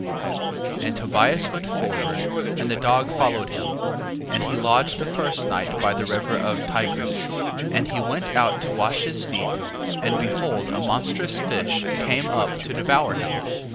6:1. And Tobias went forward, and the dog followed him, and he lodged the first night by the river of Tigris. 6:2. And he went out to wash his feet, and behold a monstrous fish came up to devour him.